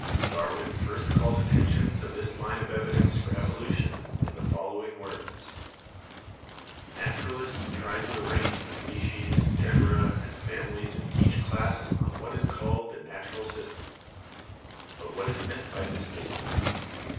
Darwin first called attention to this line of evidence for evolution in the following words : "Naturalists try to ar range the species, genera and families in each class on what is called the Natural System. But what is meant by this system?